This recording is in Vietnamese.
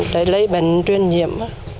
để lấy bệnh truyền nhiệm